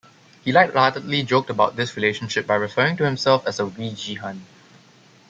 He lightheartedly joked about this relationship by referring to himself as a "weegie hun".